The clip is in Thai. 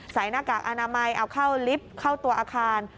หน้ากากอนามัยเอาเข้าลิฟต์เข้าตัวอาคาร